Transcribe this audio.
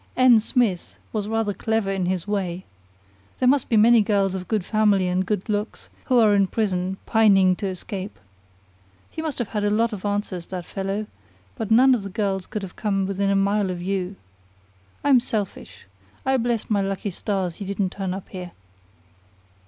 'N. Smith' was rather clever in his way. There must be many girls of good family and good looks who are in prison, pining to escape. He must have had a lot of answers, that fellow; but none of the girls could have come within a mile of you. I'm selfish! I bless my lucky stars he didn't turn up here."